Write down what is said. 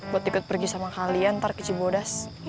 buat ikut pergi sama kalian ntar ke cibodas